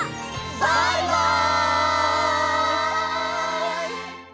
バイバイ！